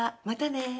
またね！